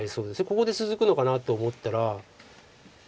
ここで続くのかなと思ったら。